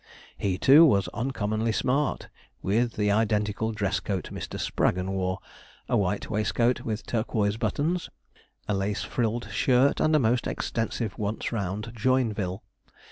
He too, was uncommonly smart, with the identical dress coat Mr. Spraggon wore, a white waistcoat with turquoise buttons, a lace frilled shirt, and a most extensive once round Joinville.